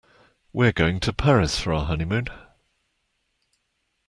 We're going to Paris for our honeymoon.